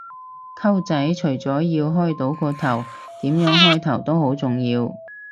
溝仔，除咗要開到個頭，點樣開頭都好重要